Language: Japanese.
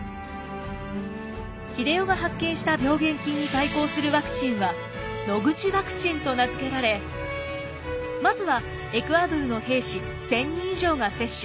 英世が発見した病原菌に対抗するワクチンはノグチワクチンと名付けられまずはエクアドルの兵士１，０００人以上が接種。